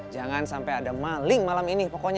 jangan sampai ada maling malam ini pokoknya